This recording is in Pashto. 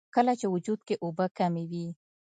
کله چې وجود کښې اوبۀ کمې وي